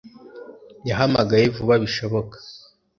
yahamagaye vuba bishoboka